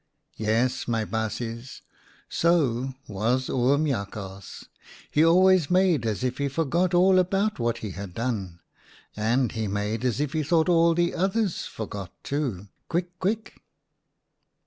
" Yes, my baasjes, so was Oom Jakhals : he always made as if he forgot all about what he had done, and he made as if he thought all the others forgot too, quick quick.